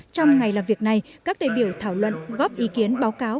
trong ngày làm việc này các đề biểu thảo luận góp ý kiến báo cáo